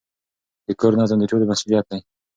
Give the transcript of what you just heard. د کور نظم د ټولو مسئولیت دی.